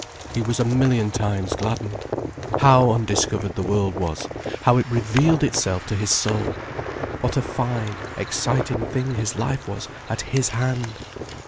He was a million times gladdened. How undiscovered the world was, how it revealed itself to his soul! What a fine, exciting thing his life was, at his hand!